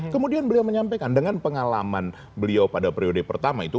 kemudian beliau menyampaikan dengan pengalaman beliau pada periode pertama itu